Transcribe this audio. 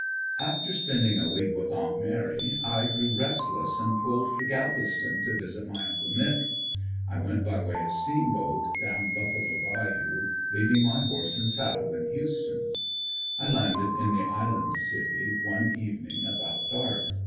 After spending a week with aunt Mary, I grew restless and pulled for Galveston to visit my uncle "Nick." I went by way of steamboat down Buffalo bayou, leaving my horse and saddle in Houston. I landed in the "Island City" one evening about dark.